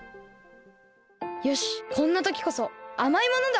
よしこんなときこそあまいものだ！